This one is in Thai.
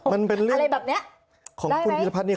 มันเป็นเรื่องของคุณพิพพัฒน์เนี่ย